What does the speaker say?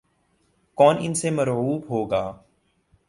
کون ان سے مرعوب ہوگا۔